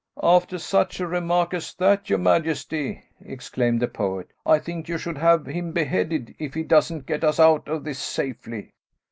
"After such a remark as that, your majesty," exclaimed the poet, "I think you should have him beheaded, if he doesn't get us out of this safely."